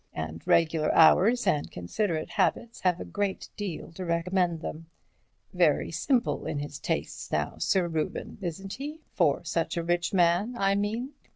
And regular hours and considerate habits have a great deal to recommend them. Very simple in his tastes, now, Sir Reuben, isn't he? for such a rich man, I mean."